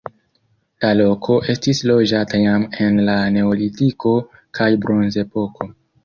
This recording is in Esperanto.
La loko estis loĝata jam en la neolitiko kaj bronzepoko.